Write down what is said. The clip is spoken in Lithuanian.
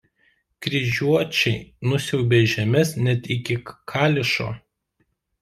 Kryžiuočiai nusiaubė žemes net iki Kališo.